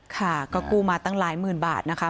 ค่ะก็กู้มาตั้งหลายหมื่นบาทนะคะ